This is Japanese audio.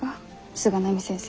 菅波先生